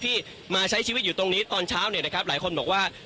ที่มาใช้ชีวิตอยู่ตรงนี้ตอนเช้าหลายคนบอกว่า